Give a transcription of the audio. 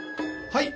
はい。